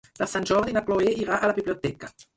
Per Sant Jordi na Chloé irà a la biblioteca.